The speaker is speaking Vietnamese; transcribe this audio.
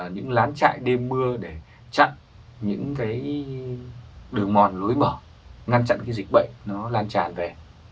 những lán chạy đêm mưa để chặn những đường mòn lối bỏ ngăn chặn dịch bệnh lan tràn về